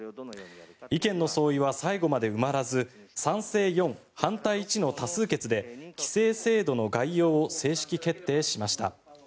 意見の相違は最後まで埋まらず賛成４、反対１の多数決で規制制度の概要を正式決定しました。